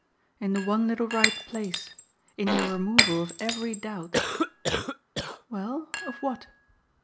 "In the one little right place. In your removal of every doubt " "Well, of what?"